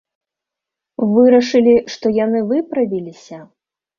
Вырашылі, што яны выправіліся?